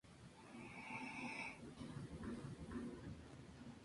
Participó en la Segunda Guerra Mundial.